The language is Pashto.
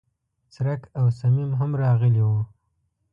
څرک او صمیم هم راغلي و.